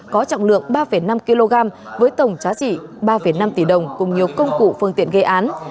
có trọng lượng ba năm kg với tổng trá trị ba năm tỷ đồng cùng nhiều công cụ phương tiện gây án